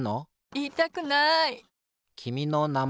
いいたくない。